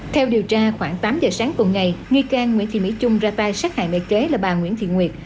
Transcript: theo điều tra khoảng tám giờ sáng cùng ngày nghi can nguyễn thị mỹ trung ra tay sát hại mẹ kế là bà nguyễn thị nguyệt